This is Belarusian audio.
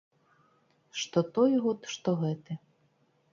Што той год, што гэты.